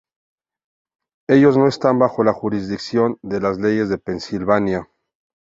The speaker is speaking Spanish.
Ellos no están bajo la jurisdicción de las leyes de Pensilvania.